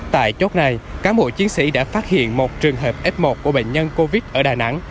tại chốt này cán bộ chiến sĩ đã phát hiện một trường hợp f một của bệnh nhân covid ở đà nẵng